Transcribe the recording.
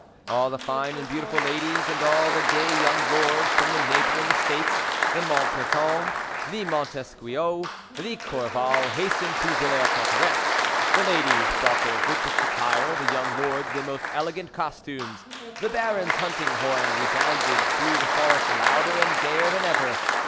All the fine and beautiful ladies and all the gay young lords from the neighbouring estates, the Montbretons, the Montesquious, the Courvals, hastened to Villers Cotterets. The ladies brought their richest attire, the young lords their most elegant costumes. The Baron's hunting horn resounded through the forest louder and gayer than ever.